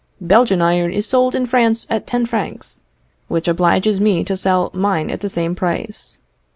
"Belgian iron is sold in France at ten francs, which obliges me to sell mine at the same price.